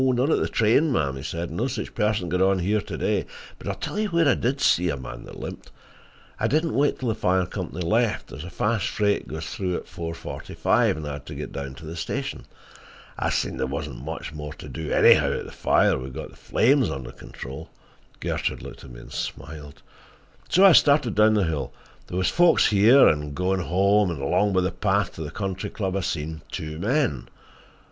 "Not at the train, ma'm," he said. "No such person got on here to day. But I'll tell you where I did see a man that limped. I didn't wait till the fire company left; there's a fast freight goes through at four forty five, and I had to get down to the station. I seen there wasn't much more to do anyhow at the fire—we'd got the flames under control"—Gertrude looked at me and smiled—"so I started down the hill. There was folks here and there goin' home, and along by the path to the Country Club I seen two men.